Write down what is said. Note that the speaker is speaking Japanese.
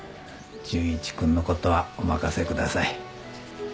純一君のことはお任せください。